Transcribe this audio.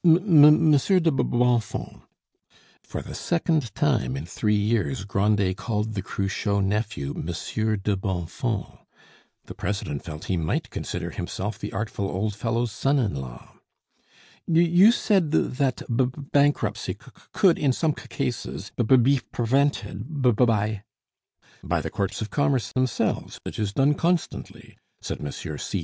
"M m monsieur de B B Bonfons," for the second time in three years Grandet called the Cruchot nephew Monsieur de Bonfons; the president felt he might consider himself the artful old fellow's son in law, "you ou said th th that b b bankruptcy c c could, in some c c cases, b b be p p prevented b b by " "By the courts of commerce themselves. It is done constantly," said Monsieur C.